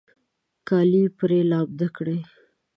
کالي پرې لامده کړئ